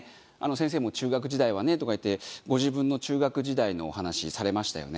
「先生も中学時代はね」とか言ってご自分の中学時代のお話されましたよね？